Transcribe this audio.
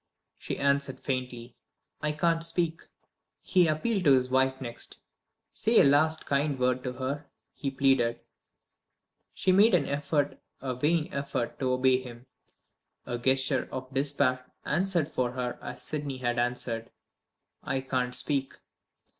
She answered faintly: "I can't speak!" He appealed to his wife next. "Say a last kind word to her," he pleaded. She made an effort, a vain effort to obey him. A gesture of despair answered for her as Sydney had answered: "I can't speak!"